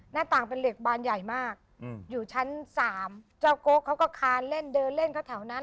หน้าต่างเป็นเหล็กบานใหญ่มากอยู่ชั้นสามเจ้าโก๊กเขาก็คานเล่นเดินเล่นเขาแถวนั้น